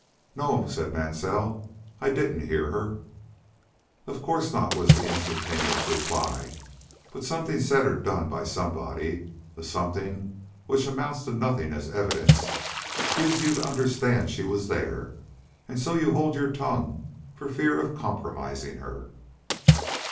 "No," said Mansell, "I didn't hear her." "Of course not," was the instantaneous reply. "But something said or done by somebody a something which amounts to nothing as evidence gives you to understand she was there, and so you hold your tongue for fear of compromising her."